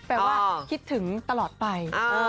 ว่าคิดถึงตลอดไป